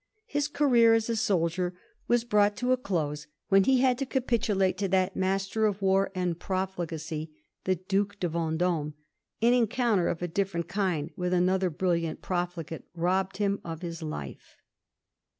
His career as a soldier was brought to a dose when he had to capitulate to that master of war and profligacy, the Duke de Vend6me ; an encounter of a diflferent kind with another brilliant profligate robbed him of his life.